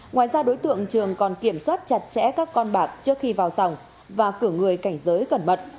ngoài ra đối tượng trường còn kiểm soát chặt chẽ các con bạc trước khi vào sòng và cử người cảnh giới cẩn mật